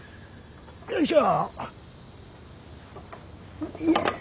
よいしょ。